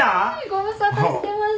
ご無沙汰してます。